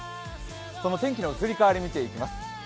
その天気の移り変わり見ていきます。